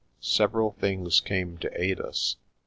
Several things came to aid us.